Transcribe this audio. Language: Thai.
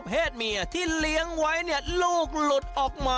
เพศเมียที่เลี้ยงไว้เนี่ยลูกหลุดออกมา